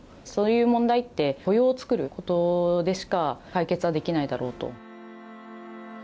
そういう問題って雇用をつくることでしか解決はできないだろうと。